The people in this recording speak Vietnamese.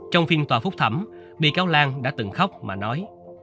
trong phiên tòa phúc thẩm bị cáo lan đã từng khóc mà nói